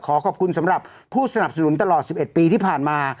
ขอขอบคุณสำหรับผู้สนับสนุนตลอด๑๑ปีที่ผ่านมา